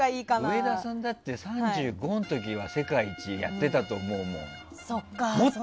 上田さんだって３５の時は「世界一」やってたと思うもん。